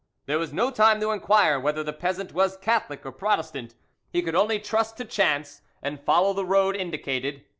There was no time to inquire whether the peasant was Catholic or Protestant; he could only trust to chance, and follow the road indicated.